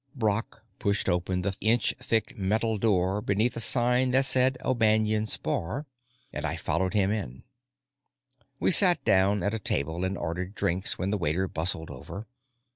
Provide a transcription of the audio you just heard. Brock pushed open the inch thick metal door beneath a sign that said "O'Banion's Bar," and I followed him in. We sat down at a table and ordered drinks when the waiter bustled over.